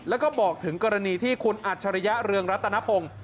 แล้วก็บอกถึงกรณีที่คุณอัจฉริยะเรืองรัตนพงศ์